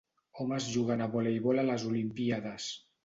Homes juguen a voleibol a les olimpíades.